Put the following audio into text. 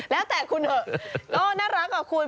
แล้วแต่คุณเถอะก็น่ารักอ่ะคุณ